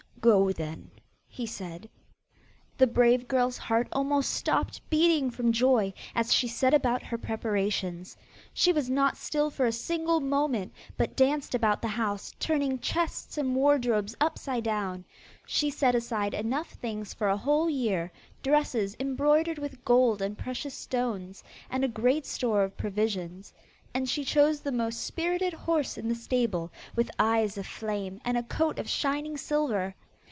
'Go then!' he said. The brave girl's heart almost stopped beating from joy, as she set about her preparations. She was not still for a single moment, but danced about the house, turning chests and wardrobes upside down. She set aside enough things for a whole year dresses embroidered with gold and precious stones, and a great store of provisions. And she chose the most spirited horse in the stable, with eyes of flame, and a coat of shining silver.